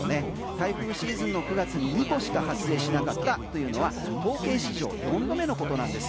台風シーズンの９月に２個しか発生しなかったというのは統計史上４度目のことなんです。